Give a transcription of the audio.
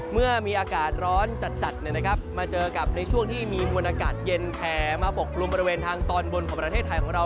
เมื่อมีอากาศร้อนจัดมาเจอกับในช่วงที่มีมวลอากาศเย็นแผ่มาปกกลุ่มบริเวณทางตอนบนของประเทศไทยของเรา